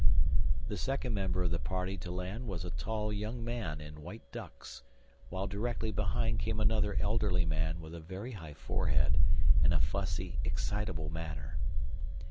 The second member of the party to land was a tall young man in white ducks, while directly behind came another elderly man with a very high forehead and a fussy, excitable manner.